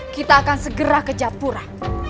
kita akan segera ke japura